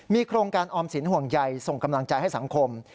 มีโครงการออมสินห่วงใยส่งกำลังใจให้สังคม